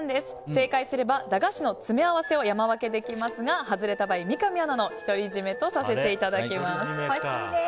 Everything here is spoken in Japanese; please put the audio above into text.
正解すれば駄菓子の詰め合わせを山分けできますが外れた場合三上アナの独り占めとさせていただきます。